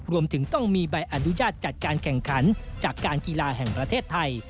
รวมถึงต้องมีใบอนุญาตจัดการแข่งขันจากการกีฬาแห่งประเทศไทย